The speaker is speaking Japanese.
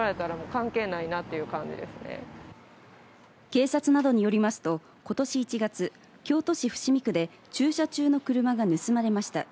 警察などによりますと今年１月、京都市伏見区で駐車中の車が盗まれました。